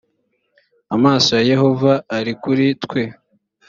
amaso ya yehova ari kuri twe